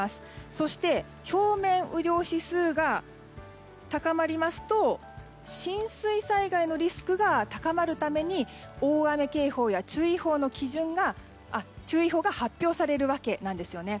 そして表面雨量指数が高まりますと浸水災害のリスクが高まるために大雨警報や注意報が発表されるわけなんですよね。